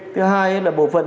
thứ hai là bộ phận